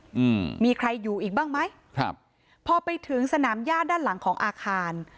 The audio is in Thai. อืมมีใครอยู่อีกบ้างไหมครับพอไปถึงสนามญาติด้านหลังของอาคาร